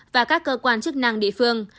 và các cơ quan chức năng địa phương